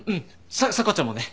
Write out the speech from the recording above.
さ査子ちゃんもね。